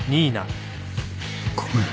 ごめん。